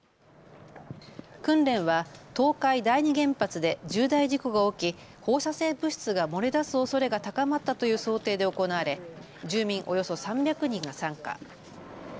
訓練は東海第二原発で重大事故が起き、放射性物質が漏れ出すおそれが高まったという想定で行われ住民およそ３００人が参加。